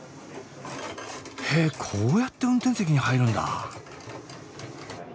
へえこうやって運転席に入るんだ。